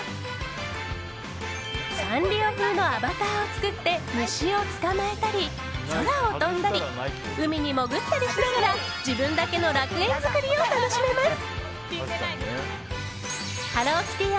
サンリオ風のアバターを作って虫を捕まえたり、空を飛んだり海に潜ったりしながら自分だけの楽園作りを楽しめます。